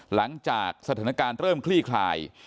หลังจากสถานการณ์เบิ้ลเครื่องขี้คลาย